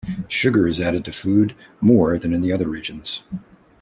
Sugar is added to food more than in the other regions.